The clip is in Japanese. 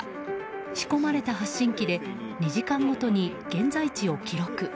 仕込まれた発信器で２時間ごとに現在地を記録。